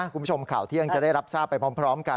คุณผู้ชมข่าวเที่ยงจะได้รับทราบไปพร้อมกัน